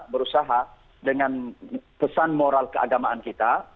berusaha dengan pesan moral keagamaan kita